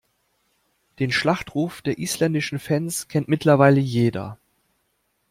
Den Schlachtruf der isländischen Fans kennt mittlerweile jeder.